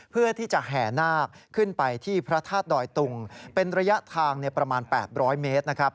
เพื่อที่จะแห่นาคขึ้นไปที่พระธาตุดอยตุงเป็นระยะทางประมาณ๘๐๐เมตรนะครับ